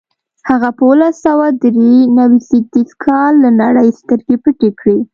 هغه په اوولس سوه درې نوي زېږدیز کال له نړۍ سترګې پټې کړې.